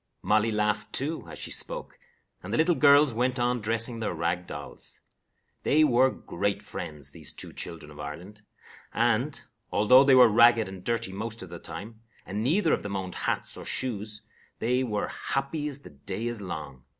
Molly laughed, too, as she spoke, and the little girls went on dressing their rag dolls. They were great friends, these two children of Ireland, and, although they were ragged and dirty most of the time, and neither of them owned hats or shoes, they were happy as the day is long.